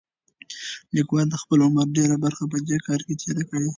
لیکوال د خپل عمر ډېره برخه په دې کار کې تېره کړې.